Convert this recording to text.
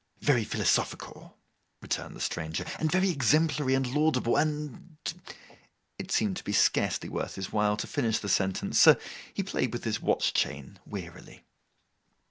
'Very philosophical,' returned the stranger, 'and very exemplary and laudable, and—' It seemed to be scarcely worth his while to finish the sentence, so he played with his watch chain wearily.